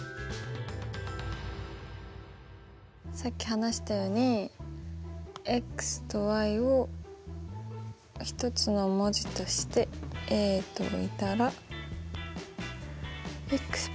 さっき話したようにとを一つの文字としａと置いたら。